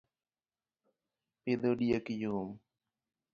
pidho diek yom